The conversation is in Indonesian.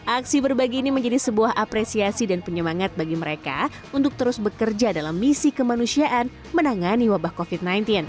aksi berbagi ini menjadi sebuah apresiasi dan penyemangat bagi mereka untuk terus bekerja dalam misi kemanusiaan menangani wabah covid sembilan belas